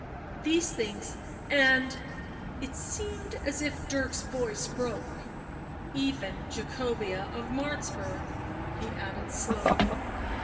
These things — and "— it seemed as if Dirk's voice broke — u even Jacobea of Martzburg," he added slowly.